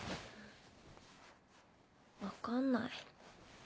分かんない。